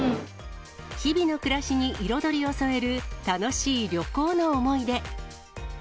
日々の暮らしに彩りを添える、楽しい旅行の思い出。